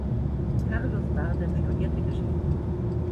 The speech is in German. Carlos Bardem studierte Geschichte.